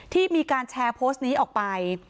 ที่มีการแชร์โพสต์นี้ออกไป